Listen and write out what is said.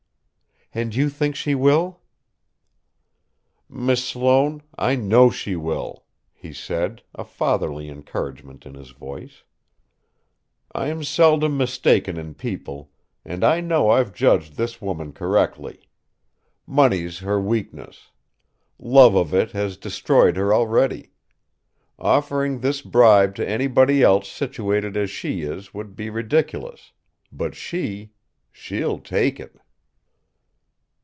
"And you think she will?" "Miss Sloane, I know she will," he said, a fatherly encouragement in his voice. "I'm seldom mistaken in people; and I know I've judged this woman correctly. Money's her weakness. Love of it has destroyed her already. Offering this bribe to anybody else situated as she is would be ridiculous but she she'll take it."